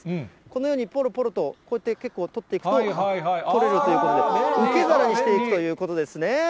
このようにぽろぽろと、こうやって取っていくと、採れるということで、受け皿にしていくということですね。